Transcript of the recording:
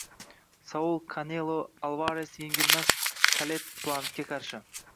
Saul Kanelo Alvares yengilmas Kaleb Plantga qarshi